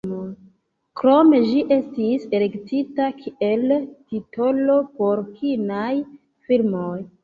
Krome ĝi estis elektita kiel titolo por kinaj filmoj.